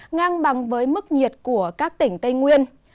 ngang bằng với mức nhiệt của các tỉnh tây nguyên